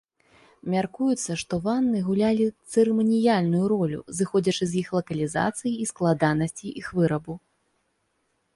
Мяркуецца, што ванны гулялі цырыманіяльную ролю, зыходзячы з іх лакалізацыі і складанасці іх вырабу.